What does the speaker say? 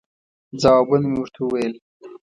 ځوابونه مې ورته وویل.